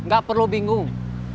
gak perlu bingung